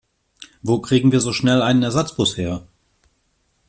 Wo kriegen wir so schnell einen Ersatzbus her?